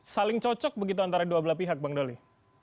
saling cocok begitu antara dua belah pihak bang doli